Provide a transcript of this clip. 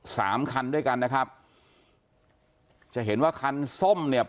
สามคันด้วยกันนะครับจะเห็นว่าคันส้มเนี่ย